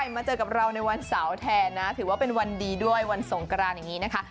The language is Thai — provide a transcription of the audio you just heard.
มาเจอกับเราในวันเสาร์แทนนะถือว่าเป็นวันดีด้วยวันสงกรานอย่างนี้นะคะ